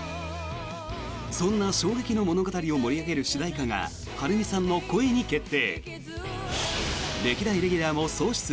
そんな衝撃の物語を盛り上げる主題歌が遥海さんの「声」に決定。